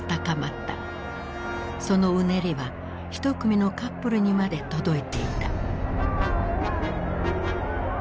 そのうねりは一組のカップルにまで届いていた。